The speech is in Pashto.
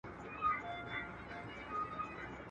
د خرې دومره شيدې دي، چي د خپل کوټي ئې بس سي.